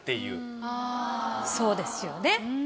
そうですよね。